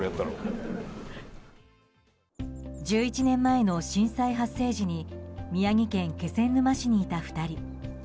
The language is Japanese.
１１年前の震災発生時に宮城県気仙沼にいた２人。